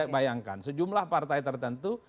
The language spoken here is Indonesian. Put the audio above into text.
bayangkan sejumlah partai tertentu